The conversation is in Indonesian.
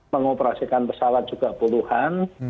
mengoperasikan pesawat juga puluhan